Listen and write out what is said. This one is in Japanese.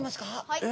はい！